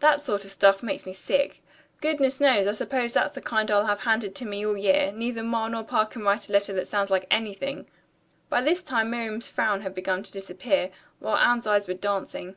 That sort of stuff makes me sick. Goodness knows, I suppose that's the kind I'll have handed to me all year. Neither Ma nor Pa can write a letter that sounds like anything." By this time Miriam's frown had begun to disappear, while Anne's eyes were dancing.